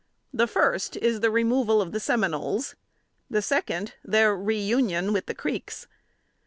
The first is the removal of the Seminoles; second, their reunion with the Creeks.